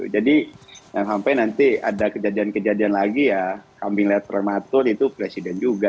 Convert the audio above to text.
jadi sampai nanti ada kejadian kejadian lagi ya kami lihat prematur itu presiden juga